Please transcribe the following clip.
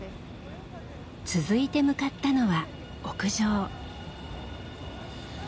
続いて向かったのは屋上。